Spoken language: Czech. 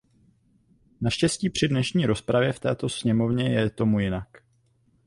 Naštěstí při dnešní rozpravě v této sněmovně je tomu jinak.